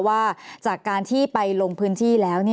ว่าจากการที่ไปลงพื้นที่แล้ว